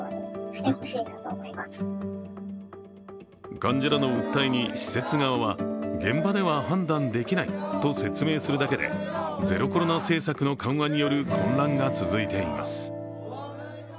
患者らの訴えに施設側は現場では判断できないと説明するだけでゼロコロナ政策の緩和による混乱が続いています。